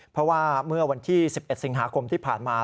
เพราะว่าเมื่อวันที่๑๑สิงหาคมที่ผ่านมา